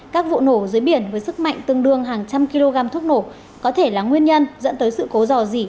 các vụ nổ dưới biển với sức mạnh tương đương hàng trăm kg thuốc nổ có thể là nguyên nhân dẫn tới sự cố dò dỉ